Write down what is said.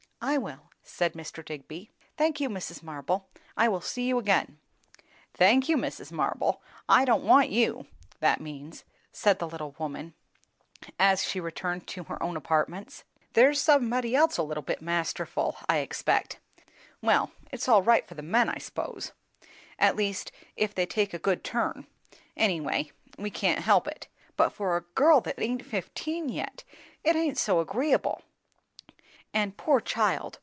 "I will," said Mr. Digby. "Thank you, Mrs. Marble; I will see you again." "'Thank you, Mrs. Marble, I don't want you,' that means," said the little woman as she retreated to her own apartments. "There's somebody else a little bit masterful, I expect. Well, it's all right for the men, I s'pose, at least if they take a good turn; any way, we can't help it; but for a girl that aint fifteen yet, it aint so agreeable. And poor child!